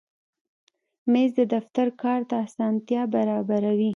مېز د دفتر کار ته اسانتیا برابروي.